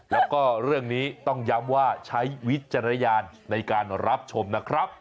แล้วก็เรื่องนี้ต้องย้ำว่าใช้วิจารณญาณในการรับชมนะครับ